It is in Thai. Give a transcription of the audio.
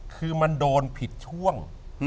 คือมันโดนผิดช่วง